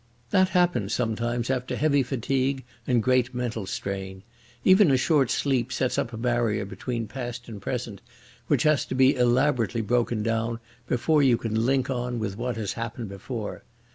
That happens sometimes after heavy fatigue and great mental strain. Even a short sleep sets up a barrier between past and present which has to be elaborately broken down before you can link on with what has happened before.